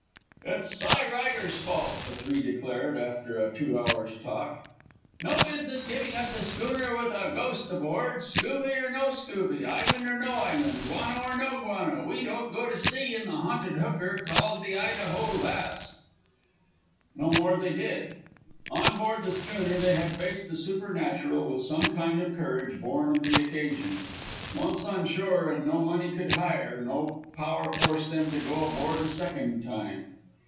"It's Cy Rider's fault," the three declared after a two hours' talk. "No business giving us a schooner with a ghost aboard. Scoovy or no scoovy, island or no island, guano or no guano, we don't go to sea in the haunted hooker called the Idaho Lass." No more they did. On board the schooner they had faced the supernatural with some kind of courage born of the occasion. Once on shore, and no money could hire, no power force them to go aboard a second time.